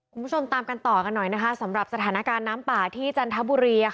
คุณผู้ชมตามกันต่อกันหน่อยนะคะสำหรับสถานการณ์น้ำป่าที่จันทบุรี